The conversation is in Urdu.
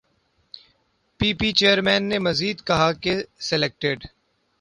پی پی چیئرمین نے مزید کہا کہ سلیکٹڈ